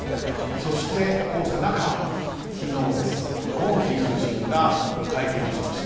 そしてこうした中、昨日ゴンヒ夫人が会見をしました。